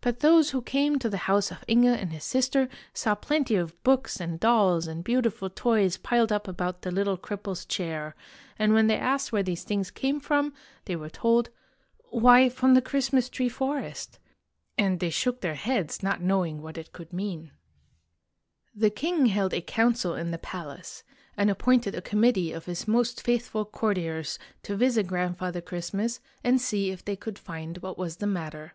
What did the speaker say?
But those who came to the house of Inge and his sister saw plenty of books and dolls and beautiful toys piled up about the little cripple's chair; and when they asked where these things came from, they were told, " Why, from 146 IN THE GREAT WALLED COUNTRY the Christmas tree forest." And they shook their heads, not knowing what it could mean. The king held a council in the palace, and appointed a committee of his most faithful courtiers to. visit Grandfather Christmas, and see if they could find what was the matter.